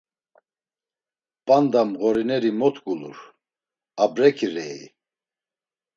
P̌anda mğorineri mot gulur, abrek̆i rei?